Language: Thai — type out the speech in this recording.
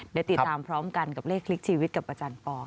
เดี๋ยวติดตามพร้อมกันกับเลขคลิกชีวิตกับอาจารย์ปอ